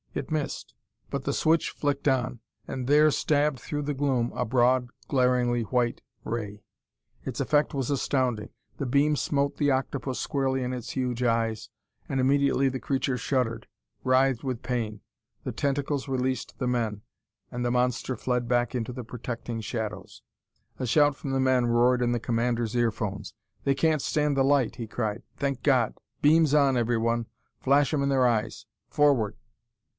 It missed, but the switch flicked on, and there stabbed through the gloom a broad, glaringly white ray. Its effect was astounding. The beam smote the octopus squarely in its huge eyes, and immediately the creature shuddered; writhed with pain. The tentacles released the men and the monster fled back into the protecting shadows! A shout from the men roared in the commander's earphones. "They can't stand the light!" he cried. "Thank God! Beams on, everyone! Flash 'em in their eyes! Forward!"